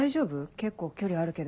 結構距離あるけど。